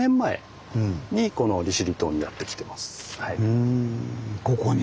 うんここに？